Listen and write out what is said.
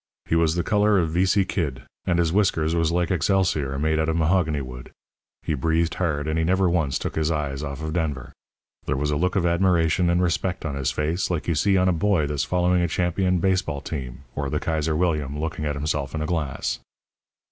He was the colour of vici kid, and his whiskers was like excelsior made out of mahogany wood. He breathed hard, and he never once took his eyes off of Denver. There was a look of admiration and respect on his face like you see on a boy that's following a champion base ball team, or the Kaiser William looking at himself in a glass.